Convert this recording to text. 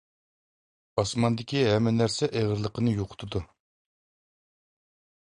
ئاسماندىكى ھەممە نەرسە ئېغىرلىقىنى يوقىتىدۇ.